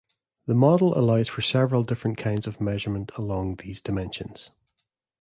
The model allows for several different kinds of measurement along these dimensions.